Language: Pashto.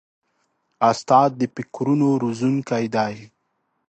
استاد د فکرونو روزونکی دی.